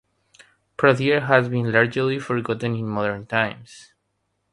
Pradier has been largely forgotten in modern times.